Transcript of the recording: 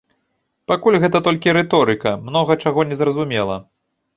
Пакуль гэта толькі рыторыка, многа чаго незразумела.